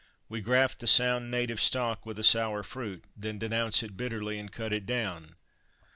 We graft the sound native stock with a sour fruit, then denounce it bitterly and cut it down.